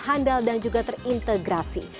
handal dan juga terintegrasi